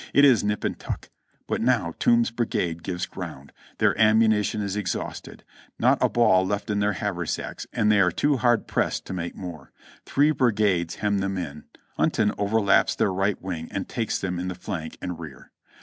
It is nip and tuck! But now Toombs's brigade gives ground ; their ammunition is ex hausted, not a ball left in their haversacks, and they are too hard pressed to make more. The three brigades hem them in ; Hun ton overlaps their right wing and takes them in the flank and rear.